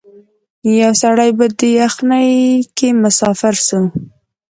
یو سړی په دې یخنۍ کي مسافر سو